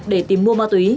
để tìm mua ma túy